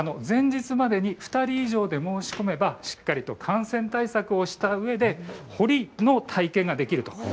前日までに２人以上で申し込めばしっかりと感染対策をしたうえで彫りの体験ができると。